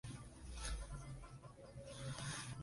El título se refiere al plato estrella de la cena.